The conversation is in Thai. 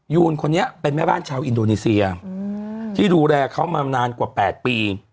ยูนคนนี้เป็นแม่บ้านชาวอินโดนีเซียที่ดูแลเขามานานกว่า๘ปี